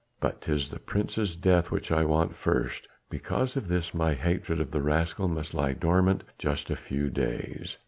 But 'tis the Prince's death which I want first; because of this my hatred of the rascal must lie dormant just a few days.